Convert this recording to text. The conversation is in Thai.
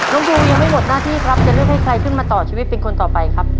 บูยังไม่หมดหน้าที่ครับจะเลือกให้ใครขึ้นมาต่อชีวิตเป็นคนต่อไปครับ